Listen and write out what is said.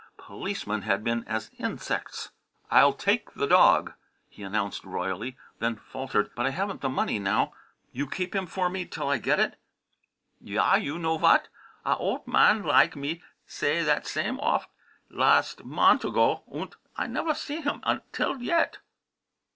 Policemen had been as insects. "I'll take that dog," he announced royally then faltered "but I haven't the money now. You keep him for me till I get it." "Yah, you know vot? A olt man, lige me, say that same ofer lasd mont' ago, unt I nefer see him until yet!"